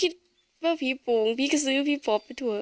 คิดว่าพี่โปร์งว่าพี่ขซื้อพี่โป๊ปว่าไปทั่ว